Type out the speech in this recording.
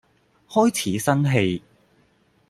開始生氣